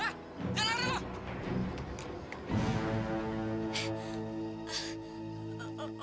eh jangan lari lo